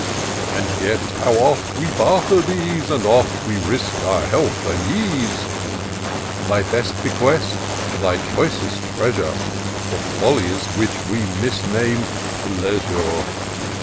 And yet how oft we barter these ; How oft we risk our health and ease, Thy best bequest, thy choicest treasure. For follies which we misname pleasure!